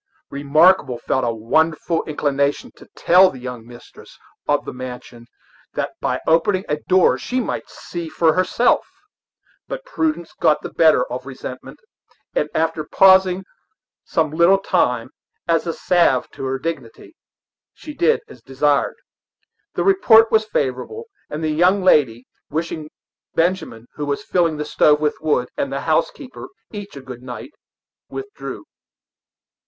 Remarkable felt a wonderful inclination to tell the young mistress of the mansion that by opening a door she might see for herself; but prudence got the better of resentment, and after pausing some little time, as a salve to her dignity, she did as desired. The report was favorable, and the young lady, wishing Benjamin, who was filling the stove with wood, and the housekeeper, each a good night, withdrew.